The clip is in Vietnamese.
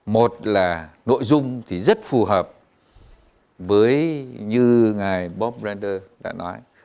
một là nội dung thì rất phù hợp với như ngài bob randers đã nói